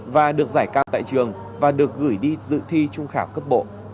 và được giải cao tại trường và được gửi đi dự thi trung khảo cấp bộ